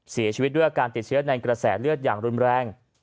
เสียชีวิตด้วยอาการติดเชื้อในกระแสเลือดอย่างรุนแรง